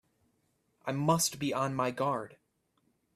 I must be on my guard!